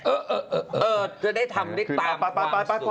เออจะได้ทำได้ตามความสุข